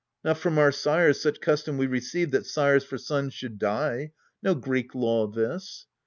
Not from our sires such custom we received That sires for sons should die : no Greek law this.